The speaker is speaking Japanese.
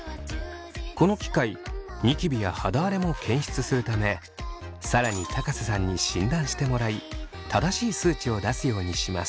この機械ニキビや肌荒れも検出するため更に瀬さんに診断してもらい正しい数値を出すようにします。